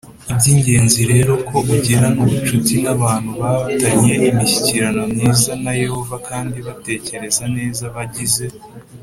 iby ingenzi rero ko ugirana ubucuti n abantu ba tanye imishyikirano myiza na Yehova kandi batekereza neza Abagize